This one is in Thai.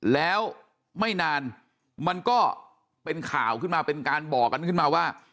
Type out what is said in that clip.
แล้วไม่นานมันก็เป็นข่าวขึ้นมาเป็นการบอกกันขึ้นมาว่า